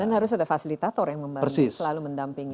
dan harus ada fasilitator yang selalu mendampingi